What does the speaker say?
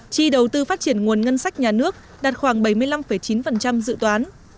chi đầu tư phát triển nguồn ngân sách nhà nước đạt khoảng bảy mươi năm chín dự toán